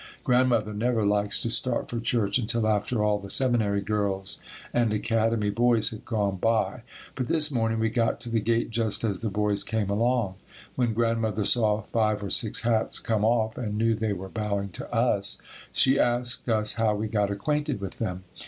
Grandmother never likes to start for church until after all the Seminary girls and Academy boys have gone by, but this morning we got to the gate just as the boys came along. When Grandmother saw five or six hats come off and knew they were bowing to us, she asked us how we got acquainted with them.